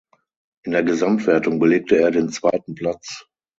In der Gesamtwertung belegte er den zweiten Platz.